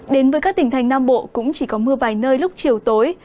đến với các tỉnh thành nam bộ cũng chỉ có mưa vài nơi lúc chiều tối